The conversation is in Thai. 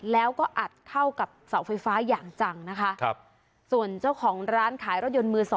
แล้วก็อัดเข้ากับเสาไฟฟ้าอย่างจังนะคะครับส่วนเจ้าของร้านขายรถยนต์มือสอง